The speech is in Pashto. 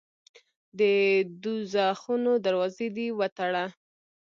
د دوږخونو دروازې دي وتړه.